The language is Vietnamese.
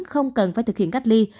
không cần phải thực hiện cách ly